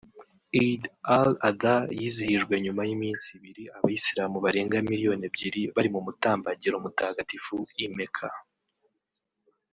Eid al-Adha yizihijwe nyuma y’iminsi ibiri abayisilamu barenga miliyoni ebyiri bari mu Mutambagiro Mutagatifu i Mecca